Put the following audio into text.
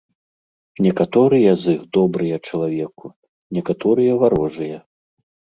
Некаторыя з іх добрыя чалавеку, некаторыя варожыя.